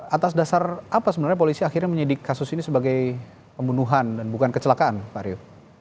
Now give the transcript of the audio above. atas dasar apa sebenarnya polisi akhirnya menyidik kasus ini sebagai pembunuhan dan bukan kecelakaan pak rio